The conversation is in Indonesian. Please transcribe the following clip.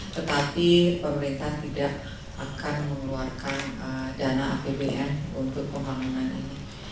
tetapi pemerintah tidak akan mengeluarkan dana apbn untuk pembangunan ini